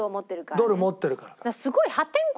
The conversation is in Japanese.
ドル持ってるから。